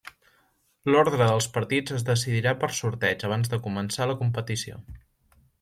L'ordre dels partits es decidirà per sorteig abans de començar la competició.